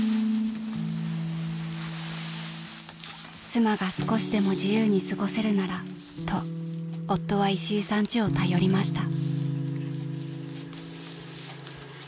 ［妻が少しでも自由に過ごせるならと夫はいしいさん家を頼りました］